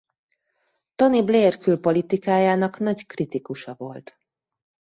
Tony Blair külpolitikájának nagy kritikusa volt.